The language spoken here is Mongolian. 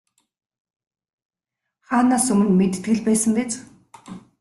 Хаанаас өмнө мэддэг л байсан биз.